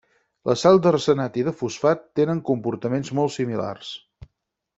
Les sal d'arsenat i de fosfat tenen comportaments molt similars.